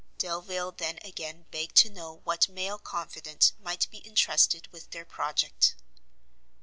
Delvile then again begged to know what male confidant might be entrusted with their project.